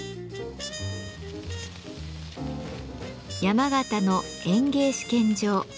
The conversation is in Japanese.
山形の園芸試験場。